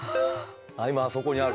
今あそこにある。